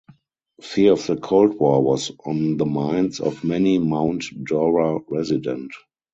Fear of the Cold War was on the minds of many Mount Dora resident.